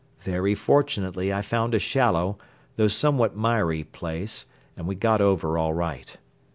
Very fortunately I found a shallow, though somewhat miry, place and we got over all right.